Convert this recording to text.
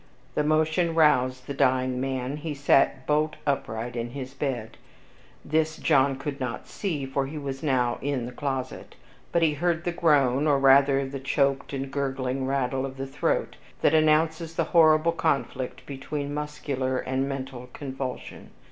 The motion roused the dying man; he sat bolt upright in his bed. This John could not see, for he was now in the closet; but he heard the groan, or rather the choked and gurgling rattle of the throat, that announces the horrible conflict between muscular and mental convulsion.